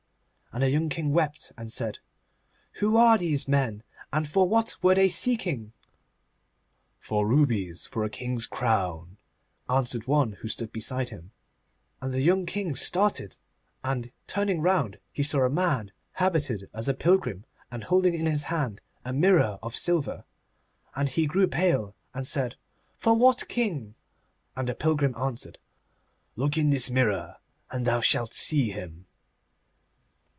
And the young King wept, and said: 'Who were these men, and for what were they seeking?' 'For rubies for a king's crown,' answered one who stood behind him. And the young King started, and, turning round, he saw a man habited as a pilgrim and holding in his hand a mirror of silver. And he grew pale, and said: 'For what king?' And the pilgrim answered: 'Look in this mirror, and thou shalt see him.